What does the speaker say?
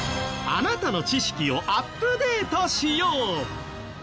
あなたの知識をアップデートしよう！